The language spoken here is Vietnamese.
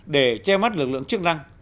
để che mắt lực lượng chức năng